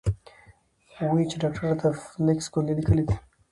وې ئې چې ډاکټر راته فلکس ګولۍ ليکلي دي -